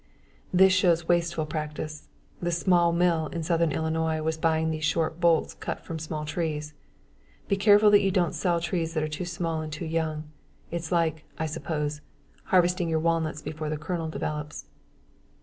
This shows wasteful practice. This small mill in southern Illinois was buying these short bolts cut from small trees. Be careful that you don't sell trees that are too small and too young. It is like, I suppose, harvesting your walnuts before the kernel develops.